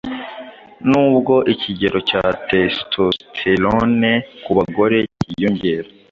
nubwo ikigero cya testosterone ku bagore kiyongera